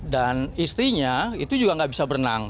dan istrinya itu juga tidak bisa berenang